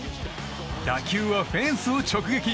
打球はフェンスを直撃。